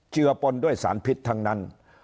เจือปนด้วยสารพิษทั้งนั้น